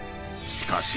［しかし］